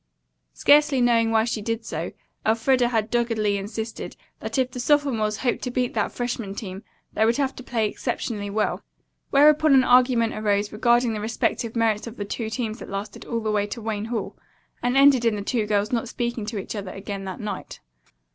Scarcely knowing why she did so, Elfreda had doggedly insisted that if the sophomores hoped to beat that freshman team, they would have to play exceptionally well. Whereupon an argument arose regarding the respective merits of the two teams that lasted all the way to Wayne Hall, and ended in the two girls not speaking to each other again that night.